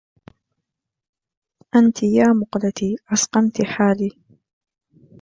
أنت يا مقلتي أسقمت حالي